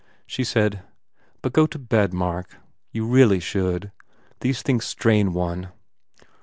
She said, "But go to bed, Mark. You really should. These things strain one."